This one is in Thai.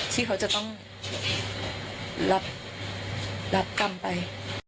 ที่เขาจะต้องรับกรรมไป